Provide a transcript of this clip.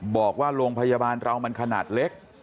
บอกว่าโรงพยาบาลเรามันขนาดเล็ก